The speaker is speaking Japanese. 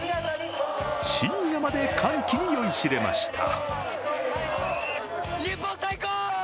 深夜まで歓喜に酔いしれました。